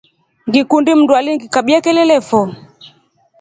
Ngikundi mndu alingikabia kelele fo.